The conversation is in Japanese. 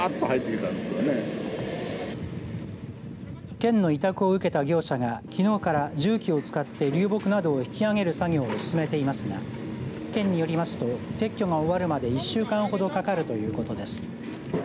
県の委託を受けた業者がきのうから重機を使って流木などを引き上げる作業を進めていますが県によりますと撤去が終わるまで１週間ほどかかるということです。